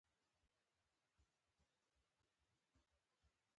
ځینې محصلین په ټولنیزو رسنیو کې ډېر وخت تېروي.